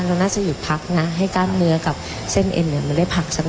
เราน่าจะหยุดพักนะให้กล้ามเนื้อกับเส้นเอ็นมันได้ผักสัก